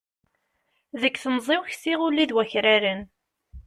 Deg temẓi-w ksiɣ ulli d wakraren